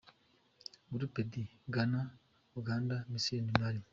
Group D: Ghana, Uganda, Misiri, Mali.